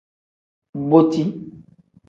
Boti.